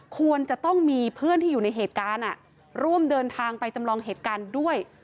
ควรจะต้องมีเพื่อนที่อยู่ในเหตุการณ์ร่วมเดินทางไปจำลองเหตุการณ์ด้วย